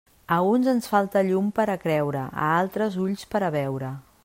A uns ens falta llum per a creure; a altres, ulls per a veure.